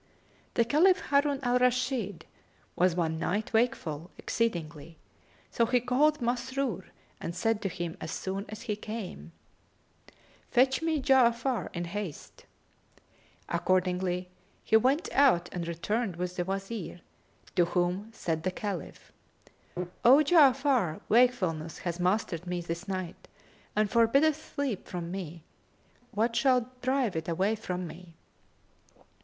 The Caliph Harun al Rashid was one night wakeful exceedingly; so he called Masrur and said to him as soon as he came, "Fetch me Ja'afar in haste." Accordingly, he went out and returned with the Wazir, to whom said the Caliph, "O Ja'afar wakefulness hath mastered me this night and forbiddeth sleep from me, nor wot I what shall drive it away from me."